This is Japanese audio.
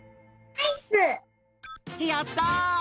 やった！